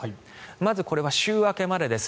まず、これは週明けまでです。